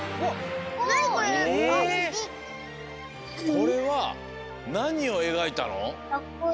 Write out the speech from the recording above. これはなにをえがいたの？